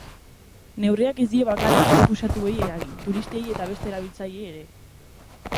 Neurriak ez die bakarrik errefuxiatuei eragin, turistei eta beste erabiltzaileei ere.